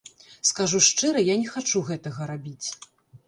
Скажу шчыра, я не хачу гэтага рабіць.